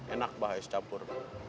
enak bah es campur